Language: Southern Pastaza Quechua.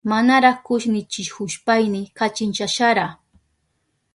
Manara kushnichihushpayni kachinchashara.